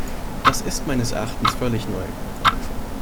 Das ist meines Erachtens völlig neu.